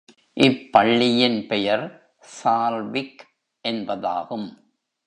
இப்பள்ளியின் பெயர் சால்விக் என்பதாகும்.